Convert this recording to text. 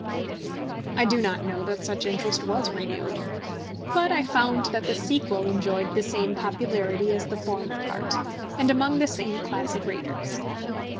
I do not know that such interest was renewed. But I found that the sequel enjoyed the same popularity as the former part, and among the same class of readers.